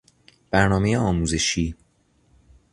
برنامهی آموزشی